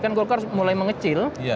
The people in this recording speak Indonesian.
kan golkar mulai mengecil